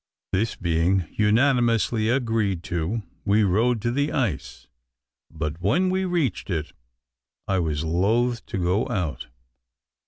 This being unanimously agreed to, we rowed to the ice; but when we reached it, I was loth to go out.